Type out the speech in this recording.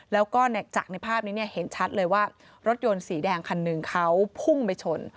แล้วก็จากในภาพนี้เห็นชัดเลยว่ารถยนต์สีแดงคันหนึ่งเขาพุ่งไปชน